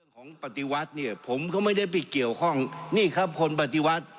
ของปฏิวัติเนี่ยผมก็ไม่ได้ไปเกี่ยวข้องนี่ครับคนปฏิวัติ